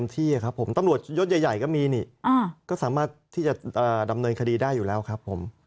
ตำรวจก็สามารถที่จะดำเนินคดีได้อยู่แล้วนะครับ